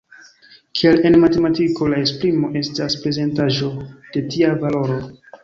Kiel en matematiko, la esprimo estas prezentaĵo de tia valoro.